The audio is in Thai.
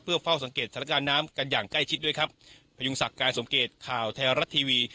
เฝ้าสังเกตสถานการณ์น้ำกันอย่างใกล้ชิดด้วยครับพยุงศักดิ์การสมเกตข่าวแท้รัฐทีวี